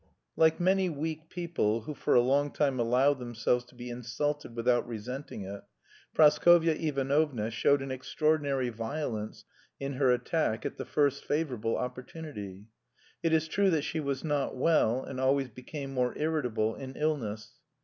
Like many weak people, who for a long time allow themselves to be insulted without resenting it, Praskovya Ivanovna showed an extraordinary violence in her attack at the first favourable opportunity. It is true that she was not well, and always became more irritable in illness.